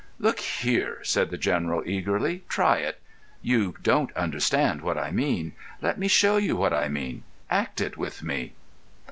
"Look here," said the General, eagerly, "try it. You don't understand what I mean. Let me show you what I mean. Act it with me."